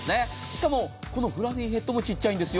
しかもこのフラフィヘッドも小さいんです。